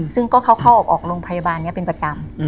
ซึ่งก็เข้าออกโรงพยาบาลนี้เป็นประจำ